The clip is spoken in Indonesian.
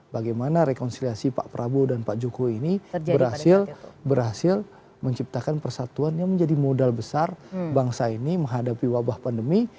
bagaimana rekonsiliasi pak prabowo dan pak jokowi ini berhasil menciptakan persatuan yang menjadi modal besar bangsa ini menghadapi wabah pandemi